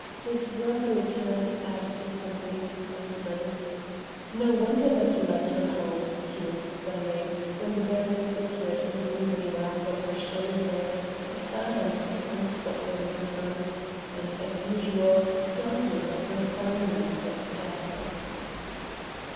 His brotherly caress added to Sempaly's excitement "No wonder that you like your home!" he was saying, when the baroness appeared with an evening wrap on her shoulders, a fan and scent bottle in her hand, and, as usual, dying of refinement and airs.